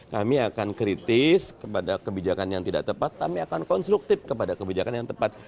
kami akan kritis kepada kebijakan yang tidak tepat kami akan konstruktif kepada kebijakan yang tepat